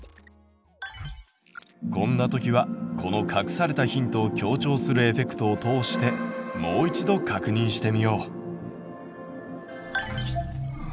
こんな時はこの隠されたヒントを強調するエフェクトを通してもう一度確認してみよう！